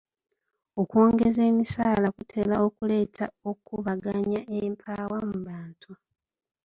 Okwongeza emisaala kutera okuleeta okubaganya empawa mu bantu.